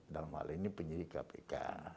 dalam hal ini penyidik kpk